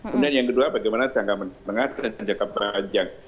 kemudian yang kedua bagaimana jangka menengah dan jangka panjang